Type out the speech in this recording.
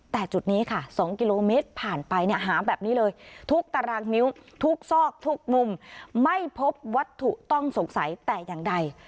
แต่จุดนี้ค่ะ๒กิโลเมตรผ่านไปเนี่ยหาแบบนี้เลยทุกตารางนิ้วทุกซอกทุกมุมไม่พบวัตถุต้องสงสัยแต่อย่างใด